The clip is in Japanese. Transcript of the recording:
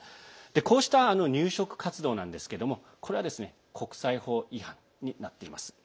こうした入植活動なんですけどもこれは国際法違反になっています。